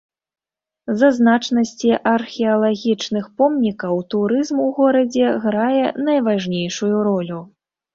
З-за значнасці археалагічных помнікаў турызм у горадзе грае найважнейшую ролю.